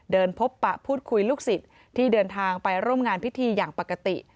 พบปะพูดคุยลูกศิษย์ที่เดินทางไปร่วมงานพิธีอย่างปกติ